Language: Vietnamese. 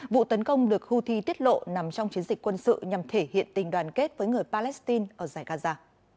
vụ tấn công được houthi tiết lộ nằm trong chiến dịch quân sự nhằm thể hiện tình đoàn kết với người palestine ở giải gaza